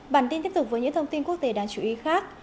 bản tin tiếp tục với những thông tin quốc tế đáng chú ý khác